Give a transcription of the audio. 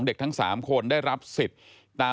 พบหน้าลูกแบบเป็นร่างไร้วิญญาณ